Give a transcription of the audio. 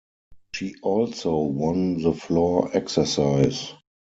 She also won the floor exercise.